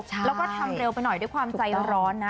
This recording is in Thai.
แล้วก็ทำเร็วไปหน่อยด้วยความใจร้อนนะ